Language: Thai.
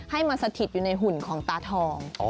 ให้มาสถิตในหุ่นของตาทองอ๋อ